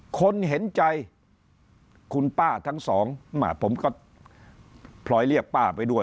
คนเห็นใจคุณป้าทั้งสองผมก็พลอยเรียกป้าไปด้วย